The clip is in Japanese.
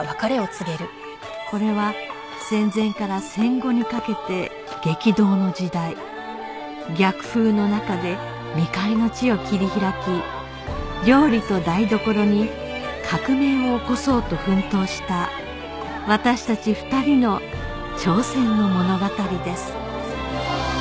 これは戦前から戦後にかけて激動の時代逆風の中で未開の地を切り開き料理と台所に革命を起こそうと奮闘した私たち２人の挑戦の物語です